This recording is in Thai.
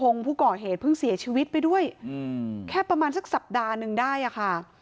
ผู้ก่อเหตุเพิ่งเสียชีวิตไปด้วยอืมแค่ประมาณสักสัปดาห์หนึ่งได้อะค่ะ